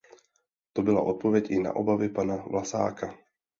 To byla odpověď i na obavy pana Vlasáka.